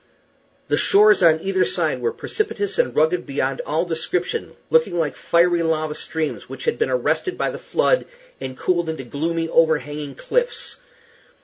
The shores on either side were precipitous and rugged beyond all description, looking like fiery lava streams which had been arrested by the flood, and cooled into gloomy, overhanging cliffs.